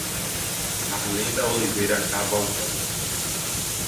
Carlinda Oliveira Cavalcante